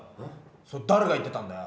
それだれが言ってたんだよ！